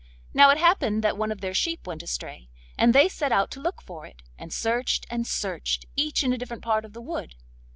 Now it happened that one of their sheep went astray, and they set out to look for it, and searched and searched, each in a different part of the wood.